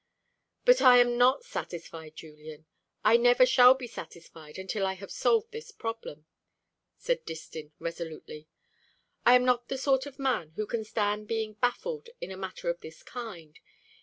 "But I am not satisfied, Julian; I never shall be satisfied until I have solved this problem," said Distin resolutely. "I am not the sort of man who can stand being baffled in a matter of this kind.